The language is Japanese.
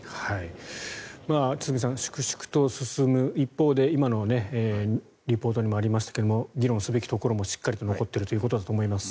堤さん、粛々と進む一方で今のリポートにもありましたが議論すべきところもしっかり残っているということだと思います。